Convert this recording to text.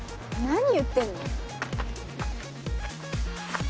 何言ってんの？